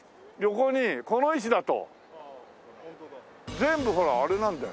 全部ほらあれなんだよ。